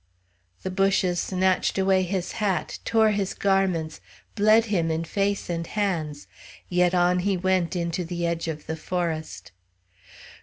The bushes snatched away his hat; tore his garments; bled him in hands and face; yet on he went into the edge of the forest.